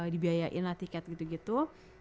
dibiayain lah tiket gitu gitu